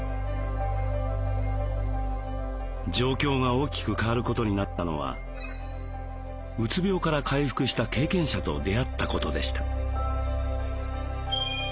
状況が大きく変わることになったのはうつ病から回復した経験者と出会ったことでした。